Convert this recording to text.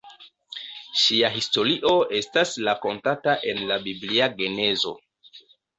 Ŝia historio estas rakontata en la biblia genezo.